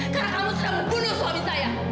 karena kamu sudah membunuh suami saya